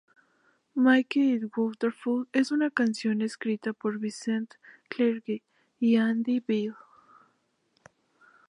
Make It Wonderful es una canción escrita por Vince Clarke y Andy Bell.